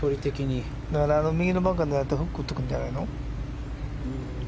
右のバンカー狙ってフックやってくるんじゃないの。